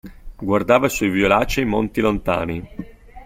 Guardava i suoi violacei monti lontani.